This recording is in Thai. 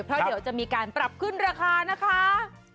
เพราะเดี๋ยวจะมีการปรับขึ้นราคานะคะ